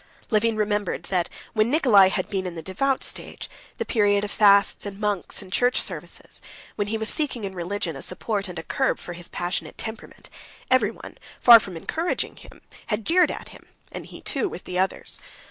Levin remembered that when Nikolay had been in the devout stage, the period of fasts and monks and church services, when he was seeking in religion a support and a curb for his passionate temperament, everyone, far from encouraging him, had jeered at him, and he, too, with the others.